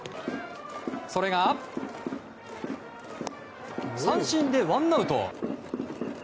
それが、三振でワンアウト。